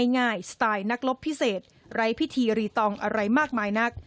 ง่ายสไตล์นักรบพิเศษไร้พิธีรีตองอะไรมากมายนัก